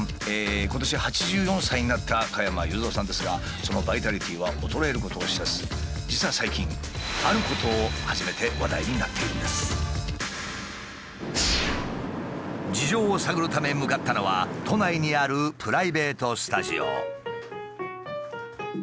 今年８４歳になった加山雄三さんですがそのバイタリティーは衰えることを知らず実は最近事情を探るため向かったのは都内にあるプライベートスタジオ。